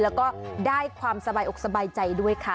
แล้วก็ได้ความสบายอกสบายใจด้วยค่ะ